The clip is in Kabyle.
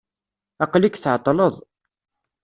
Aqel-ik tɛeṭleḍ.